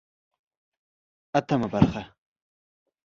اتمه برخه